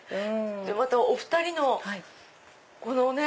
お２人のこのね。